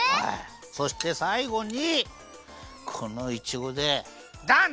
そしてさいごにこのいちごでダン！